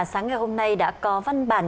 sáng ngày hôm nay đã có văn bản